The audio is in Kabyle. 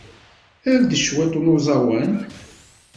Err-d cwiṭ n uẓawan.